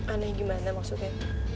aneh gimana maksudnya